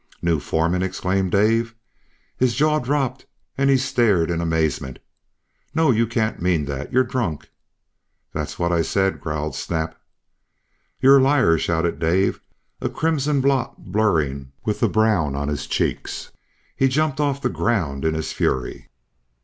"New foreman!" exclaimed Dave. His jaw dropped and he stared in amazement. "No you can't mean that you're drunk!" "That's what I said," growled Snap. "You're a liar!" shouted Dave, a crimson blot blurring with the brown on his cheeks. He jumped off the ground in his fury.